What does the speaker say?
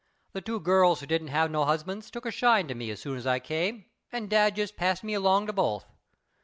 The two girls who didn't have no husbands took a shine to me as soon as I came and dad just passed me along to both.